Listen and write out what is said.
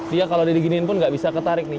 dia kalau diginiin pun gak bisa ketarik nih